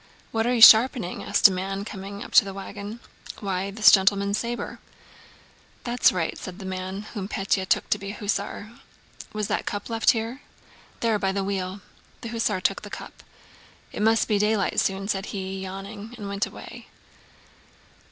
"What are you sharpening?" asked a man coming up to the wagon. "Why, this gentleman's saber." "That's right," said the man, whom Pétya took to be an hussar. "Was the cup left here?" "There, by the wheel!" The hussar took the cup. "It must be daylight soon," said he, yawning, and went away.